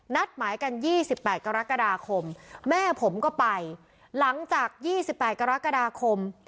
นัดหมายกันยี่สิบแปดกรกฎาคมแม่ผมก็ไปหลังจากยี่สิบแปดกรกฎาคม